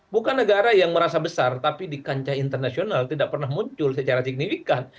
bukan negara yang merasa besar tapi di kancah internasional tidak pernah muncul secara signifikan